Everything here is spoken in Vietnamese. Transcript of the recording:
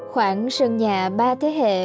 khoảng sân nhà ba thế hệ